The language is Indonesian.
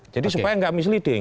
jadi supaya tidak misleading